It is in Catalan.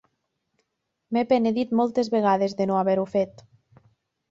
M'he penedit moltes vegades de no haver-ho fet.